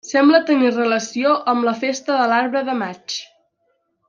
Sembla tenir relació amb la festa de l'Arbre de Maig.